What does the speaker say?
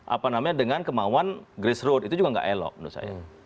apa namanya dengan kemauan grace road itu juga nggak elok menurut saya